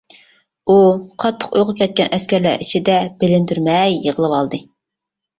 ئۇ قاتتىق ئۇيقۇغا كەتكەن ئەسكەرلەر ئىچىدە بىلىندۈرمەي يىغلىۋالدى.